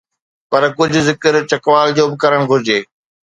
پر ڪجهه ذڪر چکوال جو به ڪرڻ گهرجي.